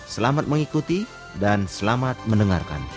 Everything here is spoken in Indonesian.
selamat mengikuti dan selamat mendengarkan